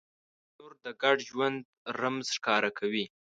تنور د ګډ ژوند رمز ښکاره کوي